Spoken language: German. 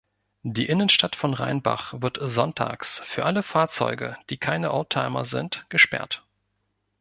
Die Innenstadt von Rheinbach wird Sonntags für alle Fahrzeuge, die keine Oldtimer sind, gesperrt.